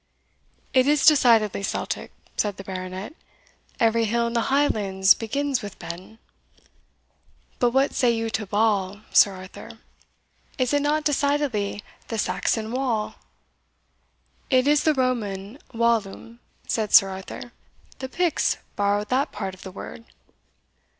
"It is decidedly Celtic," said the Baronet; "every hill in the Highlands begins with Ben." "But what say you to Val, Sir Arthur; is it not decidedly the Saxon wall?" "It is the Roman vallum," said Sir Arthur; "the Picts borrowed that part of the word."